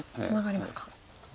ツナがりますか。